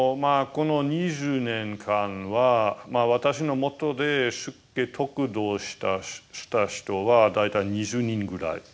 この２０年間は私のもとで出家得度をした人は大体２０人ぐらいですね。